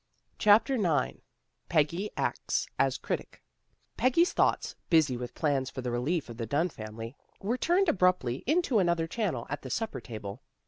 CHAPTER IX PEGGY ACTS AS CRITIC PEGGY'S thoughts, busy with plans for the relief of the Dunn family, were turned abruptly into another channel at the supper table.